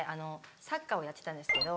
サッカーをやってたんですけど。